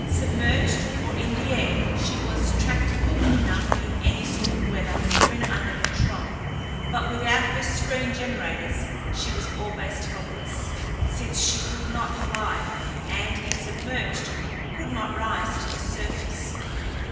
Submerged, or in the air, she was tractable enough in any sort of weather when under control; but without her screen generators she was almost helpless, since she could not fly, and, if submerged, could not rise to the surface.